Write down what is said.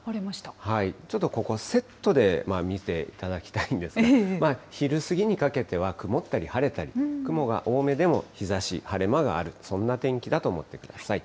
ちょっとここ、セットで見ていただきたいんですが、昼過ぎにかけては曇ったり晴れたり、雲が多めでも日ざし、晴れ間がある、そんな天気だと思ってください。